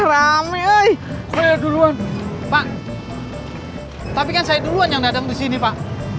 rame saya duluan pak tapi kan saya duluan yang datang di sini pak